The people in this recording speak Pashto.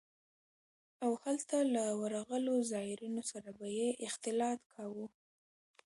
او هلته له ورغلو زايرينو سره به يې اختلاط کاوه.